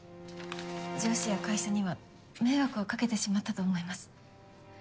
上司や会社には迷惑をかけてしまったと思います。